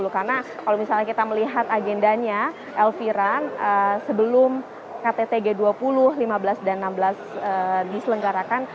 karena kalau misalnya kita melihat agendanya elviran sebelum kttg dua puluh lima belas dan enam belas diselenggarakan